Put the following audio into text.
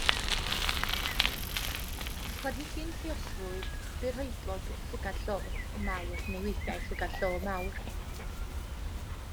Planhigyn lluosflwydd byrhoedlog ydy llygad llo mawr neu weithiau llygad-llo mawr.